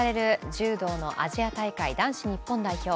柔道のアジア大会男子日本代表。